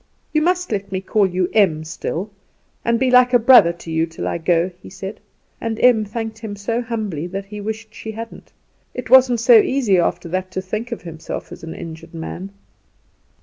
"You must let me call you Em still, and be like a brother to you till I go," he said; and Em thanked him so humbly that he wished she hadn't. It wasn't so easy after that to think himself an injured man.